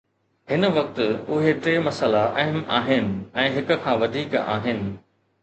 هن وقت، اهي ٽي مسئلا اهم آهن ۽ هڪ کان وڌيڪ آهن